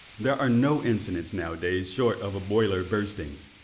There are no incidents now a days short of a boiler bursting.